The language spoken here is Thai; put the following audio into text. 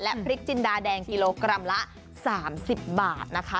พริกจินดาแดงกิโลกรัมละ๓๐บาทนะคะ